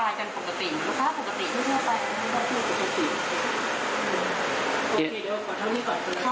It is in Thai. นะคะปกติไม่ได้ไปไม่ได้พูดปกติโอเคเดี๋ยวขอเท่านี้ก่อน